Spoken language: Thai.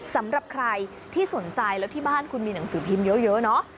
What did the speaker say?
สำหรับใครที่สนใจแล้วที่บ้านคุณมีหนังสือพิมพ์เยอะเนาะ